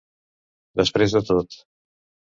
Després de tot.